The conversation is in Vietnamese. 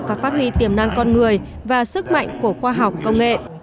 và phát huy tiềm năng con người và sức mạnh của khoa học công nghệ